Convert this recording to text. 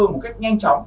một cách nhanh chóng